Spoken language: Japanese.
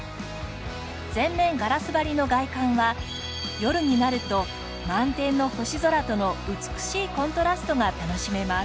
全面ガラス張りの外観は夜になると満天の星空との美しいコントラストが楽しめます。